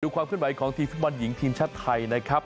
ความขึ้นไหวของทีมฟุตบอลหญิงทีมชาติไทยนะครับ